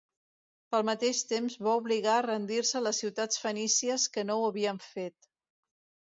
Pel mateix temps va obligar a rendir-se les ciutats fenícies que no ho havien fet.